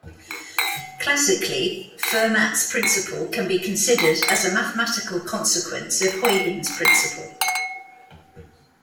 Classically, Fermat's principle can be considered as a mathematical consequence of Huygens' principle.